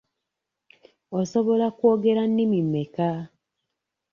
Osobola kwogera nnimi mmeka?